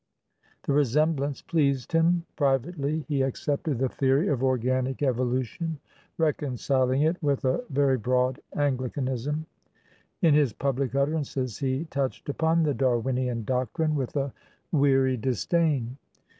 The resemblance pleased him. Privately he accepted the theory of organic evolution, reconciling it with a very broad Anglicanism; in his public utterances he touched upon the Darwinian doctrine with a weary disdain.